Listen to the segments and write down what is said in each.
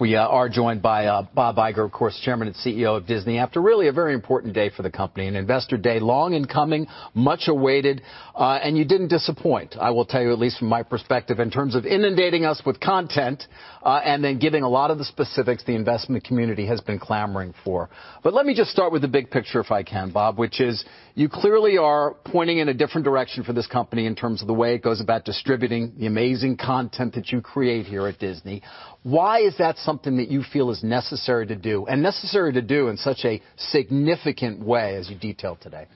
We are joined by Bob Iger, of course, Chairman and CEO of Disney, after really a very important day for the company. An investor day long in coming, much awaited, you didn't disappoint. I will tell you, at least from my perspective, in terms of inundating us with content, then giving a lot of the specifics the investment community has been clamoring for. Let me just start with the big picture if I can, Bob, which is you clearly are pointing in a different direction for this company in terms of the way it goes about distributing the amazing content that you create here at Disney. Why is that something that you feel is necessary to do, and necessary to do in such a significant way as you detailed today?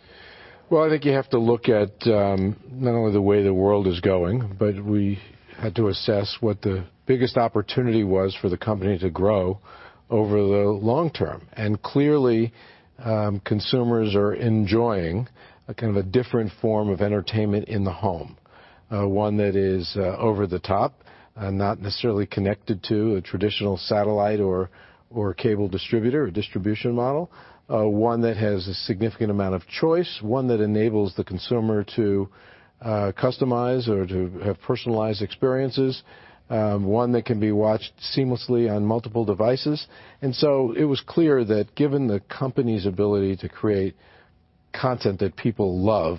Well, I think you have to look at not only the way the world is going, but we had to assess what the biggest opportunity was for the company to grow over the long term. Clearly, consumers are enjoying a kind of a different form of entertainment in the home. One that is over-the-top, not necessarily connected to a traditional satellite or cable distributor or distribution model. One that has a significant amount of choice, one that enables the consumer to customize or to have personalized experiences, one that can be watched seamlessly on multiple devices. It was clear that given the company's ability to create content that people love,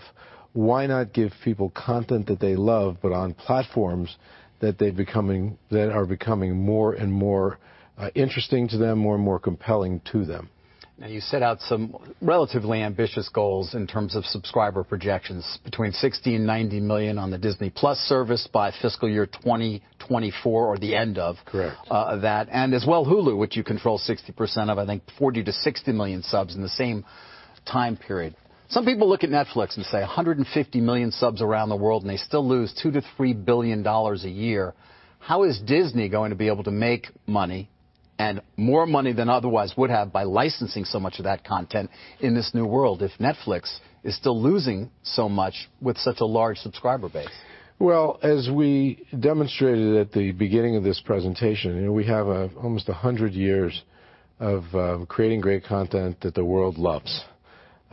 why not give people content that they love, but on platforms that are becoming more and more interesting to them, more and more compelling to them? Now, you set out some relatively ambitious goals in terms of subscriber projections, between 60 million and 90 million on the Disney+ service by fiscal year 2024 or the end of- Correct that. As well Hulu, which you control 60% of, I think 40 million-60 million subs in the same time period. Some people look at Netflix and say 150 million subs around the world, they still lose $2 billion-$3 billion a year. How is Disney going to be able to make money, and more money than otherwise would have, by licensing so much of that content in this new world if Netflix is still losing so much with such a large subscriber base? Well, as we demonstrated at the beginning of this presentation, we have almost 100 years of creating great content that the world loves.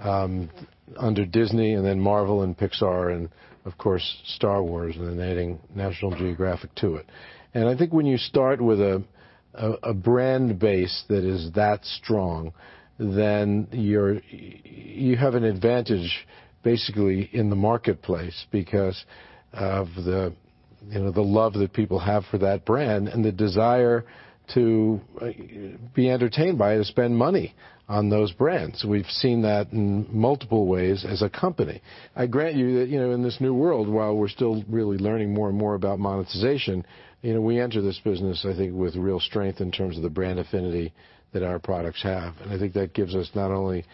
Under Disney, then Marvel and Pixar, and of course, Star Wars, then adding National Geographic to it. I think when you start with a brand base that is that strong, then you have an advantage basically in the marketplace because of the love that people have for that brand and the desire to be entertained by it or spend money on those brands. We've seen that in multiple ways as a company. I grant you that, in this new world, while we're still really learning more and more about monetization, we enter this business, I think, with real strength in terms of the brand affinity that our products have. I think that gives us not only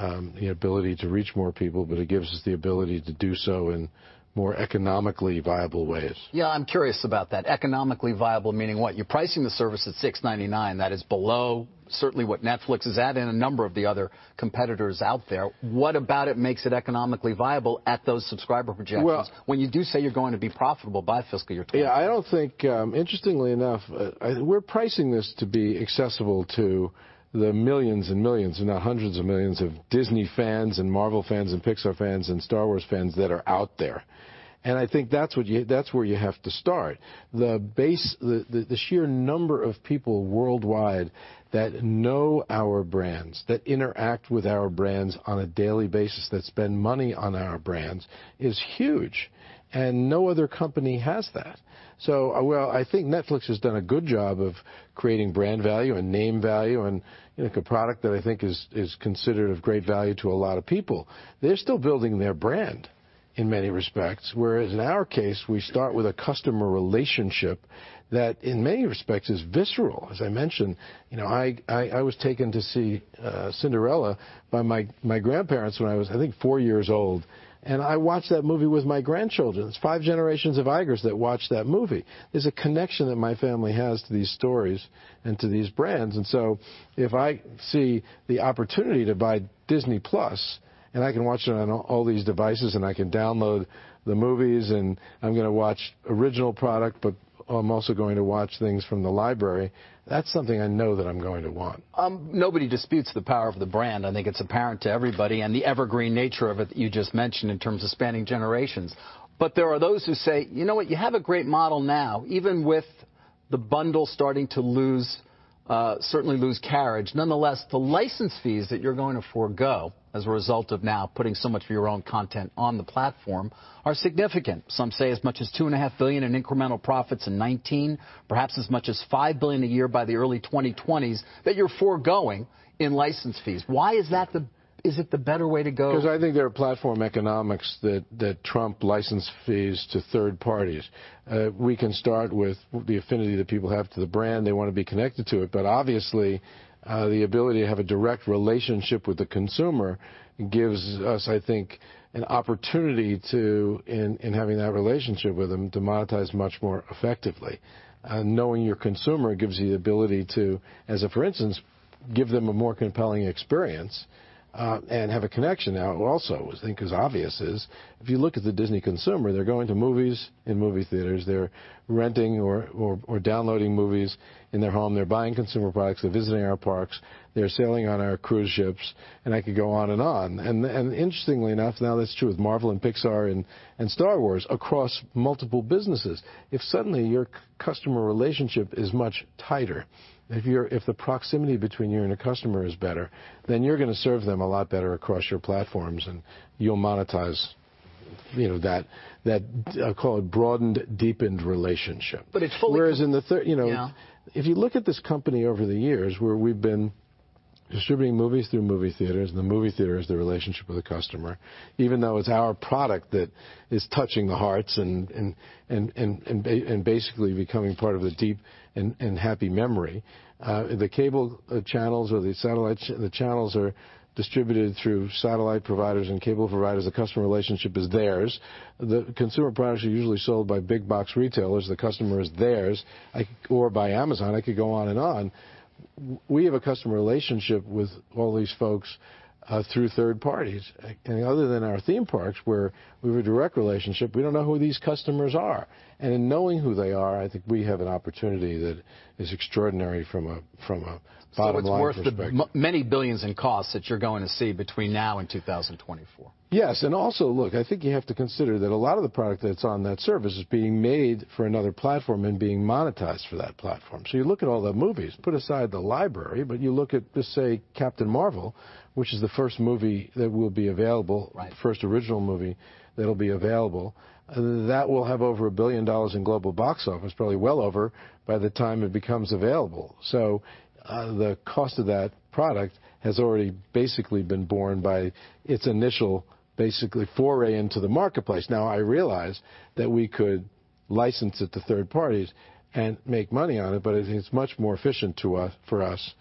the ability to reach more people, but it gives us the ability to do so in more economically viable ways. Yeah, I'm curious about that. Economically viable meaning what? You're pricing the service at $6.99. That is below certainly what Netflix is at and a number of the other competitors out there. What about it makes it economically viable at those subscriber projections- Well- when you do say you're going to be profitable by fiscal year Yeah, interestingly enough, we're pricing this to be accessible to the millions and millions, if not hundreds of millions, of Disney fans and Marvel fans and Pixar fans and Star Wars fans that are out there. I think that's where you have to start. The sheer number of people worldwide that know our brands, that interact with our brands on a daily basis, that spend money on our brands, is huge, and no other company has that. While I think Netflix has done a good job of creating brand value and name value, and make a product that I think is considered of great value to a lot of people, they're still building their brand in many respects. Whereas in our case, we start with a customer relationship that in many respects is visceral. As I mentioned, I was taken to see Cinderella by my grandparents when I was, I think, four years old. I watched that movie with my grandchildren. That's five generations of Igers that watched that movie. There's a connection that my family has to these stories and to these brands. If I see the opportunity to buy Disney+, and I can watch it on all these devices, and I can download the movies, and I'm going to watch original product, but I'm also going to watch things from the library, that's something I know that I'm going to want. Nobody disputes the power of the brand. I think it's apparent to everybody. The evergreen nature of it that you just mentioned in terms of spanning generations. There are those who say, you know what? You have a great model now, even with the bundle starting to certainly lose carriage. Nonetheless, the license fees that you're going to forgo as a result of now putting so much of your own content on the platform are significant. Some say as much as $2.5 billion in incremental profits in 2019, perhaps as much as $5 billion a year by the early 2020s that you're forgoing in license fees. Why is it the better way to go? Because I think there are platform economics that trump license fees to third parties. We can start with the affinity that people have to the brand. They want to be connected to it. Obviously, the ability to have a direct relationship with the consumer gives us, I think, an opportunity, in having that relationship with them, to monetize much more effectively. Knowing your consumer gives you the ability to, as a for instance, give them a more compelling experience, and have a connection now also is, I think, as obvious as if you look at the Disney consumer, they're going to movies in movie theaters, they're renting or downloading movies in their home, they're buying consumer products, they're visiting our parks, they're sailing on our cruise ships, and I could go on and on. Interestingly enough, now that's true with Marvel and Pixar and Star Wars across multiple businesses. If suddenly your customer relationship is much tighter, if the proximity between you and a customer is better, then you're going to serve them a lot better across your platforms, and you'll monetize that I call a broadened, deepened relationship. It's fully. In the third. Yeah If you look at this company over the years where we've been distributing movies through movie theaters, the movie theater is the relationship with the customer, even though it's our product that is touching the hearts and basically becoming part of the deep and happy memory. The cable channels or the satellite channels are distributed through satellite providers and cable providers. The customer relationship is theirs. The consumer products are usually sold by big-box retailers. The customer is theirs, or by Amazon. I could go on and on. We have a customer relationship with all these folks through third parties. Other than our theme parks, where we have a direct relationship, we don't know who these customers are. In knowing who they are, I think we have an opportunity that is extraordinary from a bottom-line perspective. It's worth the many billions in costs that you're going to see between now and 2024. Yes, look, I think you have to consider that a lot of the product that's on that service is being made for another platform and being monetized for that platform. You look at all the movies, put aside the library, but you look at, just say, Captain Marvel, which is the first movie that will be available. Right The first original movie that'll be available. That will have over $1 billion in global box office, probably well over, by the time it becomes available. The cost of that product has already basically been borne by its initial, basically, foray into the marketplace. I realize that we could license it to third parties and make money on it's much more efficient for us to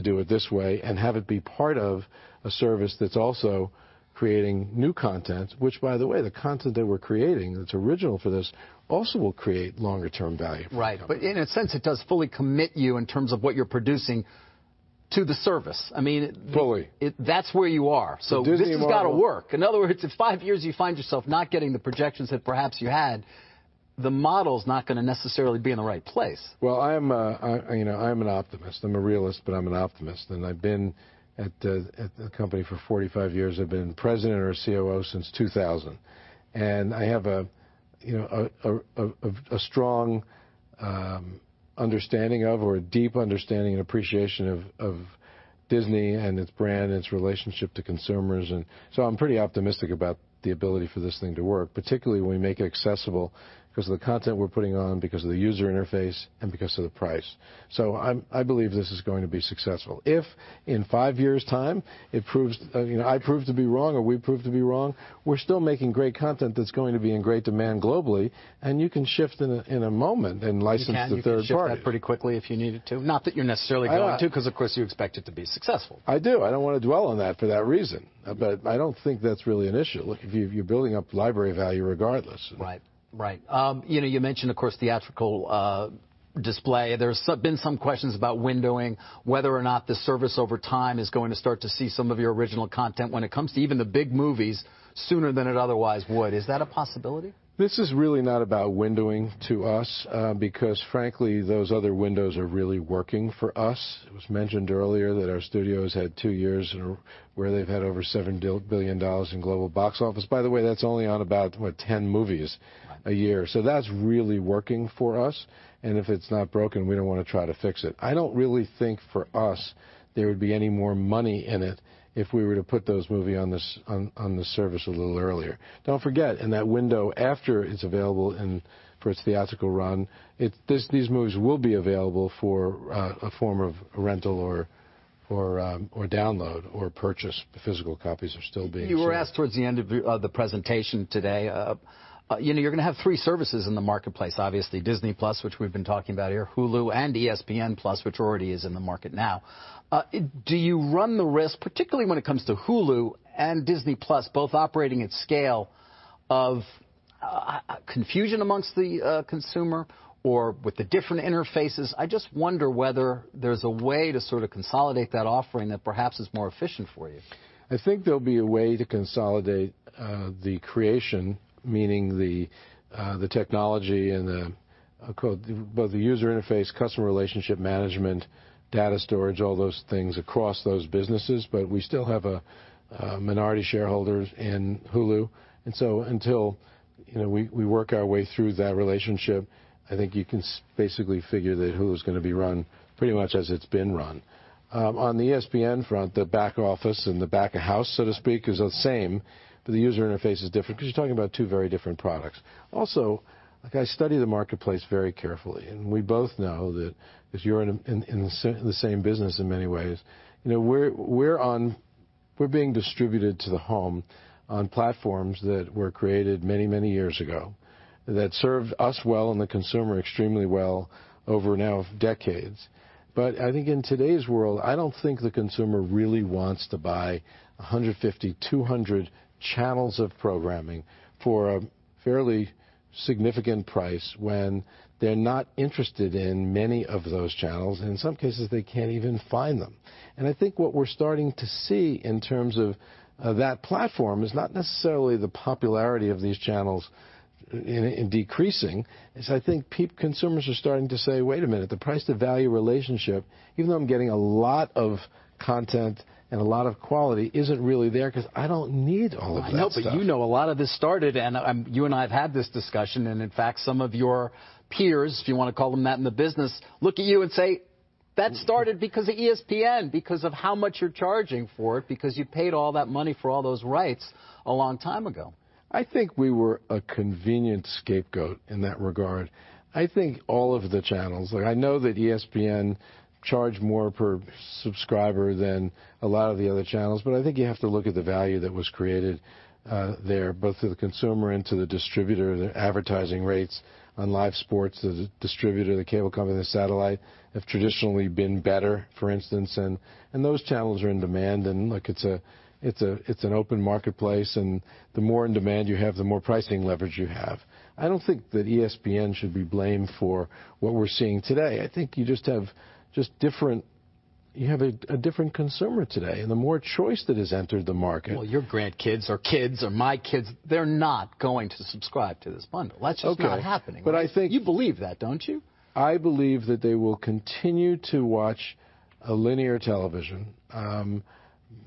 do it this way and have it be part of a service that's also creating new content, which by the way, the content that we're creating that's original for this also will create longer-term value for the company. Right. In a sense, it does fully commit you in terms of what you're producing to the service. Fully That's where you are. The Disney model- This has got to work. In other words, if five years you find yourself not getting the projections that perhaps you had, the model's not going to necessarily be in the right place. Well, I'm an optimist. I'm a realist, but I'm an optimist, and I've been at the company for 45 years. I've been president or COO since 2000. I have a strong understanding of, or a deep understanding and appreciation of Disney and its brand and its relationship to consumers. I'm pretty optimistic about the ability for this thing to work, particularly when we make it accessible because of the content we're putting on, because of the user interface, and because of the price. I believe this is going to be successful. If, in five years' time, I prove to be wrong or we prove to be wrong, we're still making great content that's going to be in great demand globally, and you can shift in a moment and license to third parties. You can. You could shift that pretty quickly if you needed to. Not that you're necessarily going to. I won't Of course, you expect it to be successful. I do. I don't want to dwell on that for that reason. I don't think that's really an issue. Look, you're building up library value regardless. Right. You mentioned, of course, theatrical display. There's been some questions about windowing, whether or not the service over time is going to start to see some of your original content when it comes to even the big movies sooner than it otherwise would. Is that a possibility? This is really not about windowing to us, because frankly, those other windows are really working for us. It was mentioned earlier that our studios had two years where they've had over $7 billion in global box office. By the way, that's only on about, what, 10 movies a year. Right. That's really working for us, and if it's not broken, we don't want to try to fix it. I don't really think for us there would be any more money in it if we were to put those movies on the service a little earlier. Don't forget, in that window after it's available for its theatrical run, these movies will be available for a form of rental or download or purchase. The physical copies are still being sold. You were asked towards the end of the presentation today, you're going to have three services in the marketplace, obviously, Disney+, which we've been talking about here, Hulu, and ESPN+, which already is in the market now. Do you run the risk, particularly when it comes to Hulu and Disney+ both operating at scale, of confusion amongst the consumer or with the different interfaces? I just wonder whether there's a way to sort of consolidate that offering that perhaps is more efficient for you. I think there'll be a way to consolidate the creation, meaning the technology and both the user interface, customer relationship management, data storage, all those things across those businesses, but we still have minority shareholders in Hulu. Until we work our way through that relationship, I think you can basically figure that Hulu's going to be run pretty much as it's been run. On the ESPN front, the back office and the back of house, so to speak, is the same, but the user interface is different because you're talking about two very different products. Look, I study the marketplace very carefully, and we both know that you're in the same business in many ways. We're being distributed to the home on platforms that were created many years ago that served us well and the consumer extremely well over now decades. I think in today's world, I don't think the consumer really wants to buy 150, 200 channels of programming for a fairly significant price when they're not interested in many of those channels, and in some cases, they can't even find them. I think what we're starting to see in terms of that platform is not necessarily the popularity of these channels decreasing, as I think consumers are starting to say, "Wait a minute. The price to value relationship, even though I'm getting a lot of content and a lot of quality, isn't really there because I don't need all of that stuff. I know, you know a lot of this started, you and I have had this discussion, in fact, some of your peers, if you want to call them that in the business, look at you and say, that started because of ESPN, because of how much you're charging for it, because you paid all that money for all those rights a long time ago. I think we were a convenient scapegoat in that regard. I think all of the channels. I know that ESPN charged more per subscriber than a lot of the other channels, I think you have to look at the value that was created there, both to the consumer and to the distributor. The advertising rates on live sports, the distributor, the cable company, the satellite have traditionally been better, for instance, those channels are in demand. Look, it's an open marketplace, the more in-demand you have, the more pricing leverage you have. I don't think that ESPN should be blamed for what we're seeing today. I think you just have a different consumer today. And the more choice that has entered the market. Well, your grandkids or kids or my kids, they're not going to subscribe to this bundle. That's just not happening. Okay. You believe that, don't you? I believe that they will continue to watch a linear television.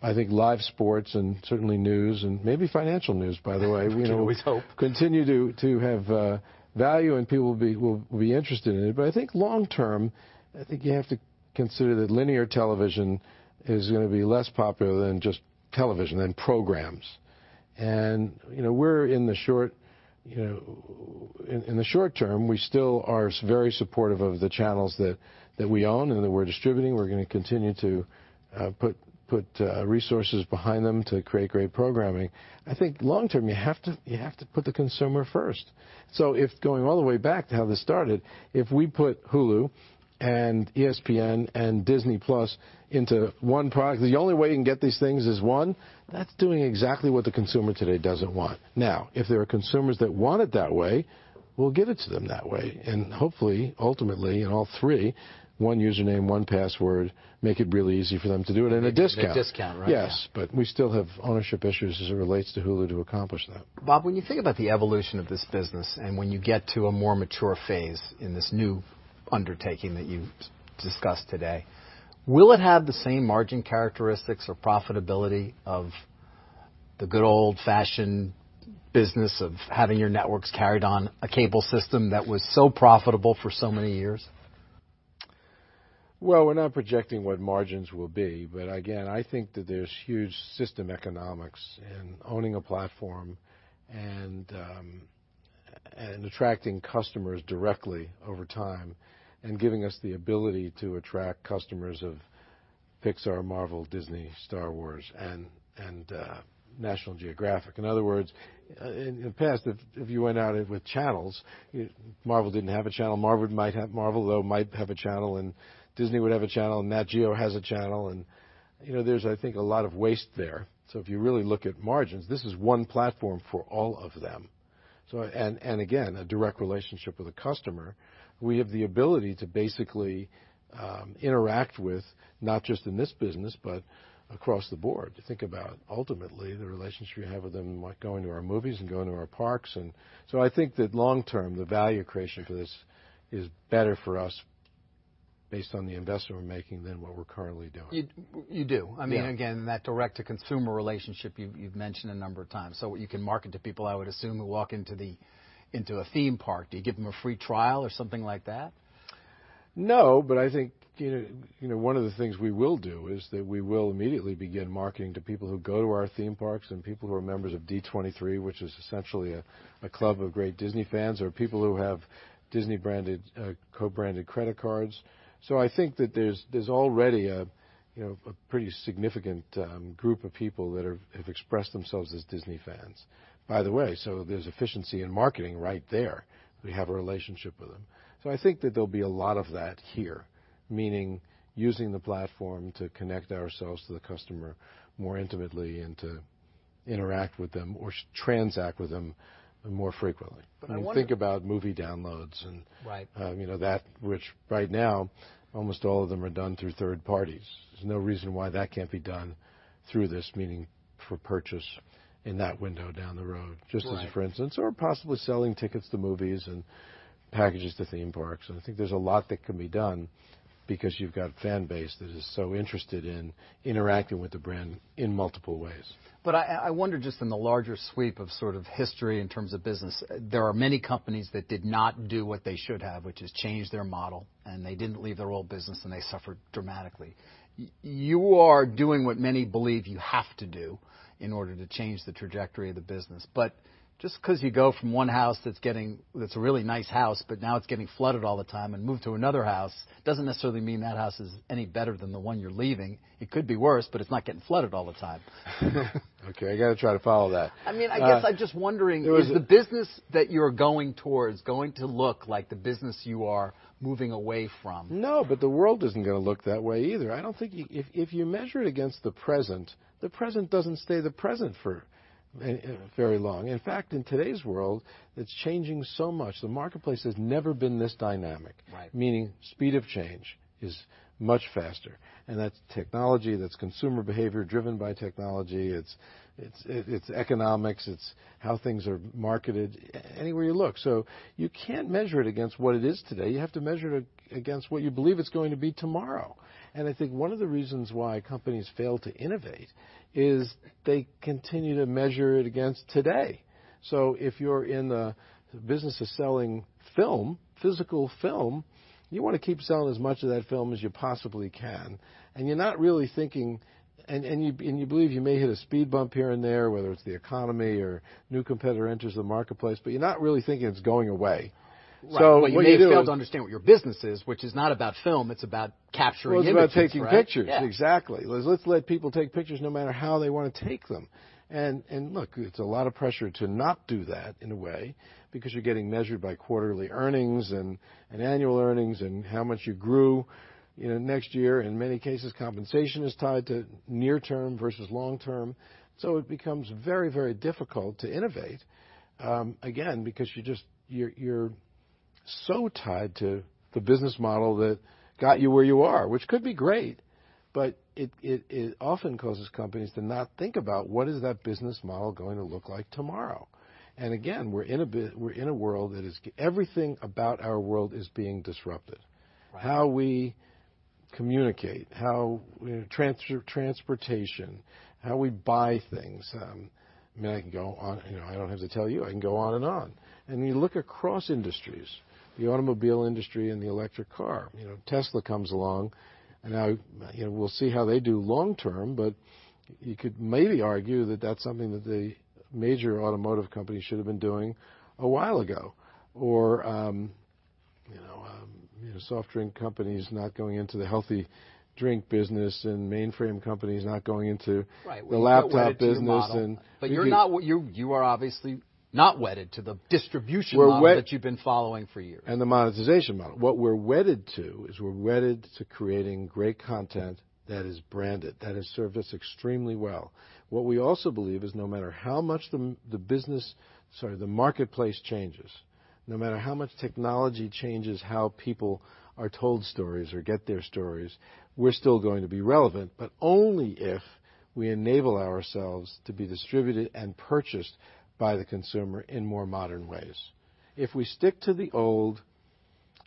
I think live sports and certainly news, and maybe financial news, by the way, you know- We can always hope continue to have value and people will be interested in it. I think long term, I think you have to consider that linear television is going to be less popular than just television, than programs. We're in the short term, we still are very supportive of the channels that we own and that we're distributing. We're going to continue to put resources behind them to create great programming. I think long term, you have to put the consumer first. If going all the way back to how this started, if we put Hulu and ESPN and Disney+ into one product, the only way you can get these things is one, that's doing exactly what the consumer today doesn't want. If there are consumers that want it that way, we'll give it to them that way. Hopefully, ultimately, in all three, one username, one password, make it really easy for them to do it in a discount. In a discount, right. Yeah. Yes, we still have ownership issues as it relates to Hulu to accomplish that. Bob, when you think about the evolution of this business and when you get to a more mature phase in this new undertaking that you discussed today, will it have the same margin characteristics or profitability of the good old-fashioned business of having your networks carried on a cable system that was so profitable for so many years? Well, we're not projecting what margins will be, but again, I think that there's huge system economics in owning a platform and attracting customers directly over time and giving us the ability to attract customers of Pixar, Marvel, Disney, Star Wars, and National Geographic. In other words, in the past, if you went out with channels, Marvel didn't have a channel. Marvel might have a channel, and Disney would have a channel, Nat Geo has a channel, and there's, I think, a lot of waste there. If you really look at margins, this is one platform for all of them. And again, a direct relationship with a customer. We have the ability to basically interact with not just in this business, but across the board. Think about ultimately the relationship you have with them, like going to our movies and going to our parks. I think that long term, the value creation for this is better for us based on the investment we're making than what we're currently doing. You do. Yeah. I mean, again, that direct-to-consumer relationship you've mentioned a number of times. You can market to people, I would assume, who walk into a theme park. Do you give them a free trial or something like that? No, I think one of the things we will do is that we will immediately begin marketing to people who go to our theme parks and people who are members of D23, which is essentially a club of great Disney fans, or people who have Disney co-branded credit cards. I think that there's already a pretty significant group of people that have expressed themselves as Disney fans. By the way, there's efficiency in marketing right there. We have a relationship with them. I think that there'll be a lot of that here, meaning using the platform to connect ourselves to the customer more intimately and to interact with them or transact with them more frequently. I wonder- Think about movie downloads. Right That which right now almost all of them are done through third parties. There's no reason why that can't be done through this, meaning for purchase in that window down the road, just as a for instance. Right. Possibly selling tickets to movies and packages to theme parks. I think there's a lot that can be done because you've got a fan base that is so interested in interacting with the brand in multiple ways. I wonder just in the larger sweep of sort of history in terms of business, there are many companies that did not do what they should have, which is change their model, and they didn't leave their old business, and they suffered dramatically. You are doing what many believe you have to do in order to change the trajectory of the business. Just because you go from one house that's a really nice house, but now it's getting flooded all the time, and move to another house, doesn't necessarily mean that house is any better than the one you're leaving. It could be worse, but it's not getting flooded all the time. Okay, I got to try to follow that. I mean, I guess I'm just wondering. There was. Is the business that you're going towards going to look like the business you are moving away from? No, the world isn't going to look that way either. I don't think if you measure it against the present, the present doesn't stay the present for very long. In fact, in today's world, it's changing so much. The marketplace has never been this dynamic. Right. Meaning speed of change is much faster, that's technology, that's consumer behavior driven by technology. It's economics. It's how things are marketed anywhere you look. You can't measure it against what it is today. You have to measure it against what you believe it's going to be tomorrow. And I think one of the reasons why companies fail to innovate is they continue to measure it against today. If you're in the business of selling film, physical film, you want to keep selling as much of that film as you possibly can. You're not really thinking, you believe you may hit a speed bump here and there, whether it's the economy or new competitor enters the marketplace, you're not really thinking it's going away. Right. What you do- Well, you may fail to understand what your business is, which is not about film, it's about capturing images, right? Well, it's about taking pictures. Yeah. Exactly. Let's let people take pictures no matter how they want to take them. Look, it's a lot of pressure to not do that in a way because you're getting measured by quarterly earnings and annual earnings and how much you grew next year. In many cases, compensation is tied to near term versus long term. It becomes very, very difficult to innovate, again, because you're so tied to the business model that got you where you are, which could be great, but it often causes companies to not think about what is that business model going to look like tomorrow. Again, we're in a world that is Everything about our world is being disrupted. Right. How we communicate, how transportation, how we buy things. I mean, I can go on. I don't have to tell you, I can go on and on. When you look across industries, the automobile industry and the electric car. Tesla comes along and now, we'll see how they do long term, but you could maybe argue that that's something that the major automotive companies should've been doing a while ago. Soft drink companies not going into the healthy drink business and mainframe companies not going into. Right the laptop business and you could. You are obviously not wedded to the distribution model- We're wed- that you've been following for years The monetization model. What we're wedded to is we're wedded to creating great content that is branded. That has served us extremely well. What we also believe is no matter how much the business, sorry, the marketplace changes, no matter how much technology changes how people are told stories or get their stories, we're still going to be relevant, but only if we enable ourselves to be distributed and purchased by the consumer in more modern ways. If we stick to the old,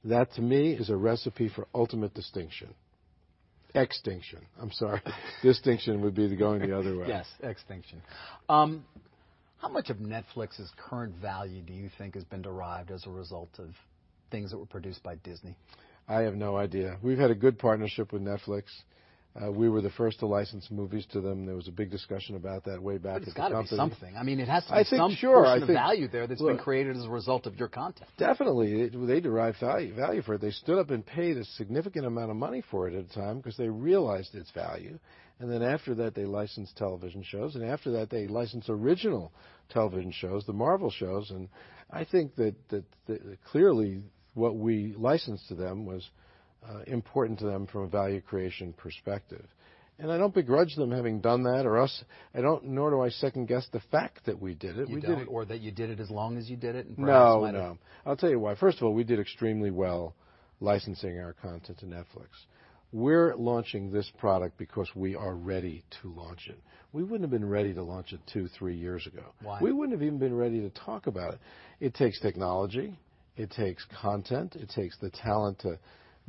that to me is a recipe for ultimate distinction. Extinction, I'm sorry. Distinction would be the going the other way. Yes. Extinction. How much of Netflix's current value do you think has been derived as a result of things that were produced by Disney? I have no idea. We've had a good partnership with Netflix. We were the first to license movies to them. There was a big discussion about that way back at the company. It's got to be something. I mean, it has to be. I think, sure. some portion of value there that's been- Look created as a result of your content. Definitely. They derive value for it. They stood up and paid a significant amount of money for it at the time because they realized its value. Then after that they licensed television shows. After that they licensed original television shows, the Marvel shows. I think that clearly what we licensed to them was important to them from a value creation perspective. I don't begrudge them having done that or us. Nor do I second-guess the fact that we did it. We did it- Or that you did it as long as you did it and perhaps let it- No. I'll tell you why. First of all, we did extremely well licensing our content to Netflix. We're launching this product because we are ready to launch it. We wouldn't have been ready to launch it two, three years ago. Why? We wouldn't have even been ready to talk about it. It takes technology, it takes content. It takes the talent to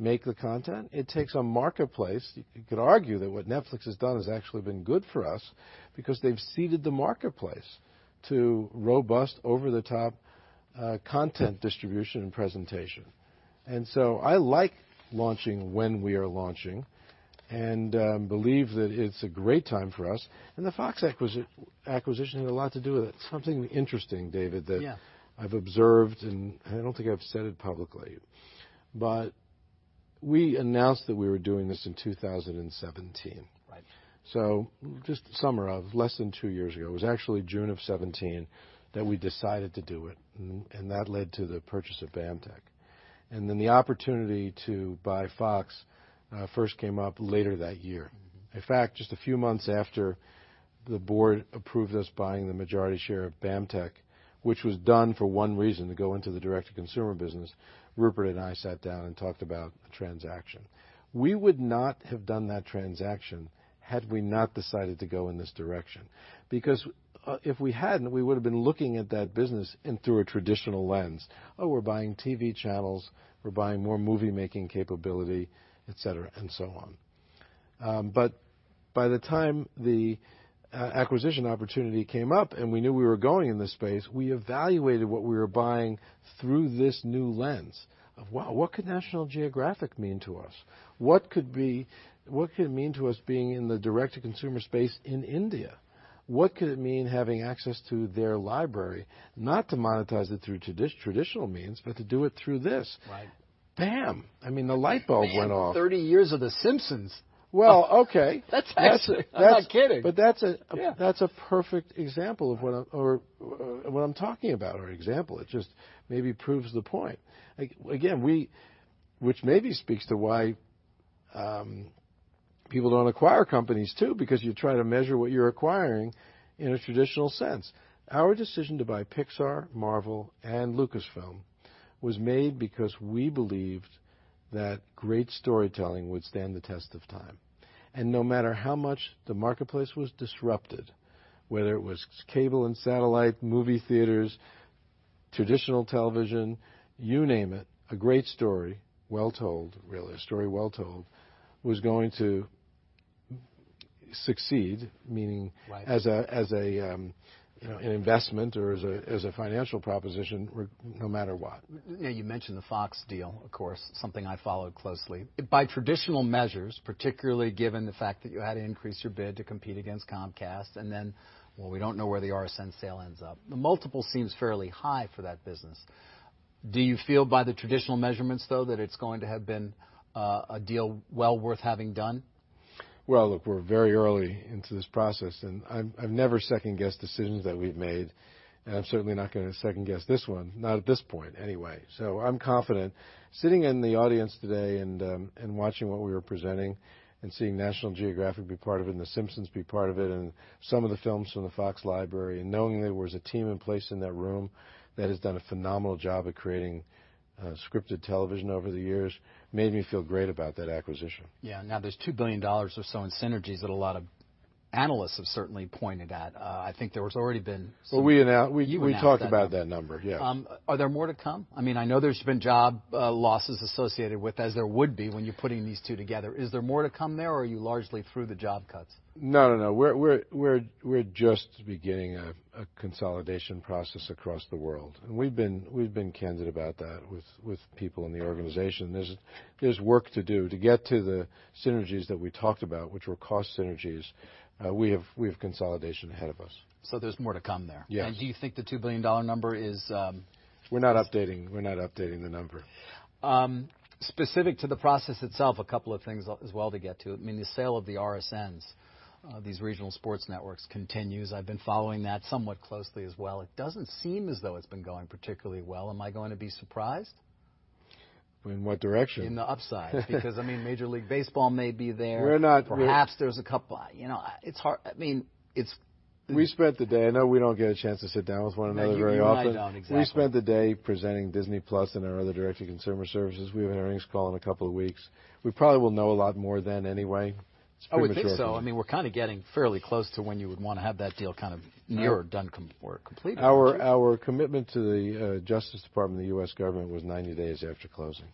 make the content. It takes a marketplace. You could argue that what Netflix has done has actually been good for us because they've seeded the marketplace to robust over-the-top content distribution and presentation. I like launching when we are launching, and believe that it's a great time for us, and the Fox acquisition had a lot to do with it. Something interesting, David,- Yeah that I've observed, and I don't think I've said it publicly, but we announced that we were doing this in 2017. Right. Just summer of less than two years ago. It was actually June of 2017 that we decided to do it, and that led to the purchase of BAMTech. The opportunity to buy Fox first came up later that year. In fact, just a few months after the board approved us buying the majority share of BAMTech, which was done for one reason, to go into the direct-to-consumer business, Rupert and I sat down and talked about a transaction. We would not have done that transaction had we not decided to go in this direction because if we hadn't, we would've been looking at that business in through a traditional lens. "Oh, we're buying TV channels. We're buying more movie-making capability," et cetera and so on. By the time the acquisition opportunity came up and we knew we were going in this space, we evaluated what we were buying through this new lens of, wow, what could National Geographic mean to us? What could it mean to us being in the direct-to-consumer space in India? What could it mean having access to their library, not to monetize it through traditional means, but to do it through this? Right. Bam. I mean, the light bulb went off. Man, 30 years of "The Simpsons. Well, okay. That's actually I'm not kidding. That's a- Yeah perfect example of what I'm talking about, or example. It just maybe proves the point. Again, which maybe speaks to why people don't acquire companies too, because you try to measure what you're acquiring in a traditional sense. Our decision to buy Pixar, Marvel, and Lucasfilm was made because we believed that great storytelling would stand the test of time and no matter how much the marketplace was disrupted, whether it was cable and satellite, movie theaters, traditional television, you name it, a great story, well told, really, a story well told, was going to succeed. Right as an investment or as a financial proposition, no matter what. Yeah. You mentioned the Fox deal, of course, something I followed closely. By traditional measures, particularly given the fact that you had to increase your bid to compete against Comcast, then, well, we don't know where the RSN sale ends up. The multiple seems fairly high for that business. Do you feel by the traditional measurements, though, that it's going to have been a deal well worth having done? Well, look, we're very early into this process. I've never second-guessed decisions that we've made. I'm certainly not going to second guess this one, not at this point anyway. I'm confident. Sitting in the audience today and watching what we were presenting and seeing National Geographic be part of it, "The Simpsons" be part of it, some of the films from the Fox library, knowing there was a team in place in that room that has done a phenomenal job of creating scripted television over the years, made me feel great about that acquisition. Yeah. Now, there's $2 billion or so in synergies that a lot of analysts have certainly pointed at. I think there has already been some. Well. You announced that number. talked about that number, yeah. Are there more to come? I know there's been job losses, as there would be when you're putting these two together. Is there more to come there, or are you largely through the job cuts? No, no. We're just beginning a consolidation process across the world. We've been candid about that with people in the organization. There's work to do to get to the synergies that we talked about, which were cost synergies. We have consolidation ahead of us. There's more to come there. Yes. Do you think the $2 billion number is? We're not updating the number. Specific to the process itself, a couple of things as well to get to. The sale of the RSNs, these Regional Sports Networks, continues. I've been following that somewhat closely as well. It doesn't seem as though it's been going particularly well. Am I going to be surprised? In what direction? In the upside. Major League Baseball may be there. We're not- Perhaps there's a couple. It's hard. We spent the day. I know we don't get a chance to sit down with one another very often. You and I don't, exactly. We spent the day presenting Disney+ and our other direct-to-consumer services. We have an earnings call in a couple of weeks. We probably will know a lot more then anyway. I would think so. We're getting fairly close to when you would want to have that deal kind of near or done or completed. Our commitment to the Justice Department of the U.S. government was 90 days after closing.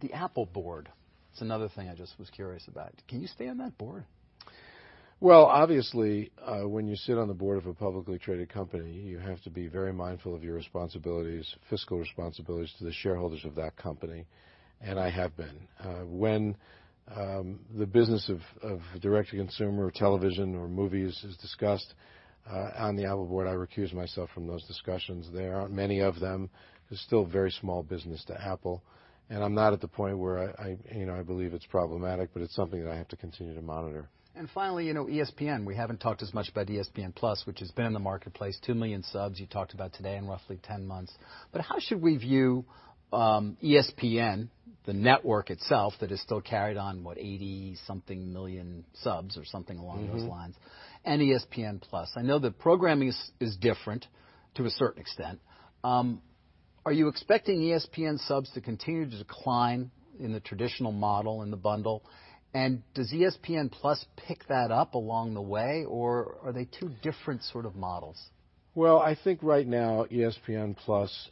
The Apple board. It's another thing I just was curious about. Can you stay on that board? Well, obviously, when you sit on the board of a publicly traded company, you have to be very mindful of your responsibilities, fiscal responsibilities to the shareholders of that company, and I have been. When the business of direct-to-consumer television or movies is discussed on the Apple board, I recuse myself from those discussions there. There aren't many of them. It's still very small business to Apple, and I'm not at the point where I believe it's problematic, but it's something that I have to continue to monitor. Finally, ESPN, we haven't talked as much about ESPN+, which has been in the marketplace. 2 million subs you talked about today in roughly 10 months. How should we view ESPN, the network itself, that is still carried on, what, 80-something million subs or something along those lines. ESPN+? I know the programming is different to a certain extent. Are you expecting ESPN subs to continue to decline in the traditional model in the bundle? Does ESPN+ pick that up along the way, or are they two different sort of models? Well, I think right now, ESPN+,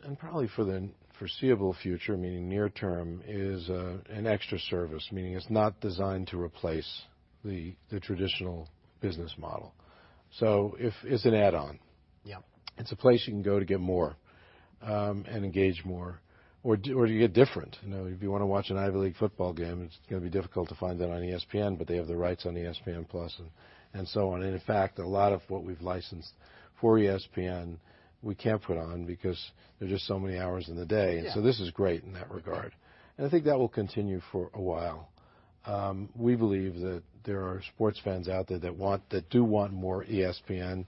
and probably for the foreseeable future, meaning near term, is an extra service, meaning it's not designed to replace the traditional business model. It's an add-on. Yeah. It's a place you can go to get more, and engage more, or to get different. If you want to watch an Ivy League football game, it's going to be difficult to find that on ESPN, but they have the rights on ESPN+ and so on. In fact, a lot of what we've licensed for ESPN, we can't put on because there's just so many hours in the day. Yeah. This is great in that regard. I think that will continue for a while. We believe that there are sports fans out there that do want more ESPN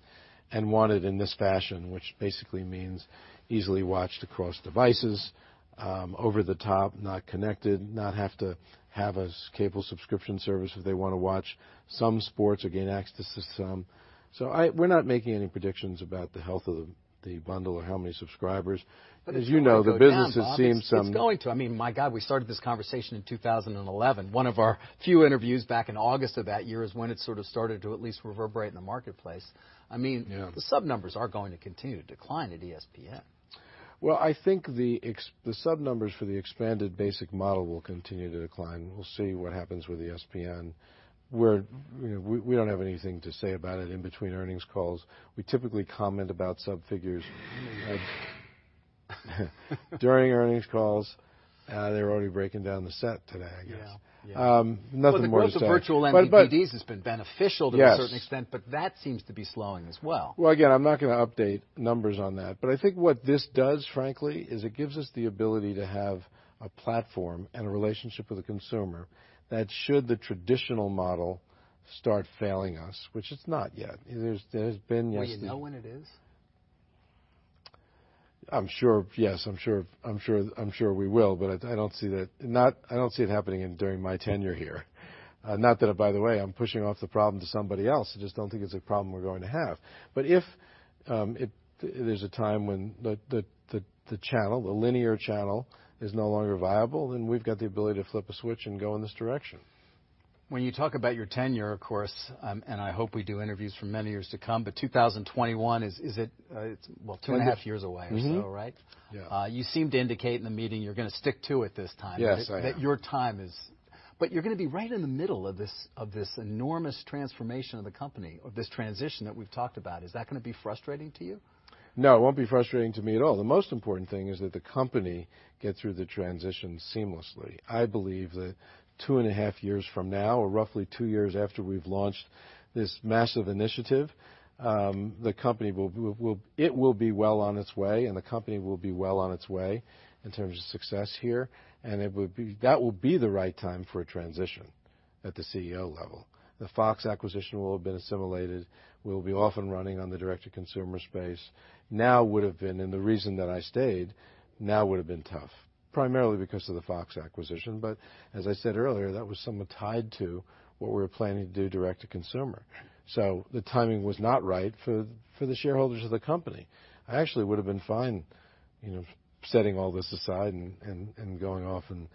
and want it in this fashion, which basically means easily watched across devices, over-the-top, not connected, not have to have a cable subscription service if they want to watch some sports or gain access to some. We're not making any predictions about the health of the bundle or how many subscribers. As you know, the business has seen some. It's going to. My God, we started this conversation in 2011. One of our few interviews back in August of that year is when it sort of started to at least reverberate in the marketplace. Yeah. The sub numbers are going to continue to decline at ESPN. Well, I think the sub numbers for the expanded basic model will continue to decline. We'll see what happens with ESPN, where we don't have anything to say about it in between earnings calls. We typically comment about sub figures during earnings calls. They're already breaking down the set today, I guess. Yeah. Nothing more to say. Well, the growth of virtual MVPDs has been beneficial- Yes That seems to be slowing as well. Well, again, I'm not going to update numbers on that. I think what this does, frankly, is it gives us the ability to have a platform and a relationship with the consumer that should the traditional model start failing us, which it's not yet. There's been- Will you know when it is? I'm sure, yes. I'm sure we will, but I don't see it happening during my tenure here. Not that, by the way, I'm pushing off the problem to somebody else. I just don't think it's a problem we're going to have. If there's a time when the channel, the linear channel, is no longer viable, then we've got the ability to flip a switch and go in this direction. When you talk about your tenure, of course, and I hope we do interviews for many years to come, but 2021, is it, well, two and a half years away or so, right? Yeah. You seem to indicate in the meeting you're going to stick to it this time. Yes. That your time is You're going to be right in the middle of this enormous transformation of the company, of this transition that we've talked about. Is that going to be frustrating to you? No, it won't be frustrating to me at all. The most important thing is that the company gets through the transition seamlessly. I believe that two and a half years from now, or roughly two years after we've launched this massive initiative, the company will, it will be well on its way, and the company will be well on its way in terms of success here, and that will be the right time for a transition at the CEO level. The Fox acquisition will have been assimilated. We'll be off and running on the direct-to-consumer space. Now would've been, and the reason that I stayed, now would've been tough, primarily because of the Fox acquisition. As I said earlier, that was somewhat tied to what we were planning to do direct-to-consumer. The timing was not right for the shareholders of the company. I actually would've been fine setting all this aside and going off and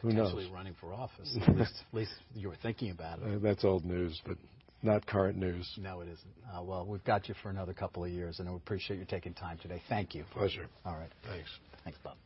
who knows? Potentially running for office. At least you were thinking about it. That's old news, but not current news. No, it isn't. Well, we've got you for another couple of years, and I appreciate you taking time today. Thank you. Pleasure. All right. Thanks. Thanks, Bob.